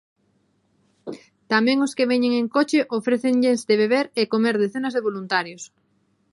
Tamén aos que veñen en coche ofrécenlles de beber e comer decenas de voluntarios.